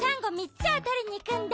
つをとりにいくんだ。